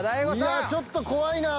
いやちょっと怖いな。